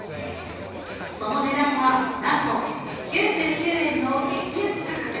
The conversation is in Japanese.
その値段は、なんと９９円の激安価格。